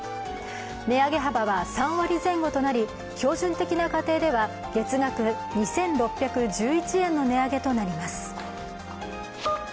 値上げ幅は３割前後となり標準的な家庭では月額２６１１円の値上げとなります。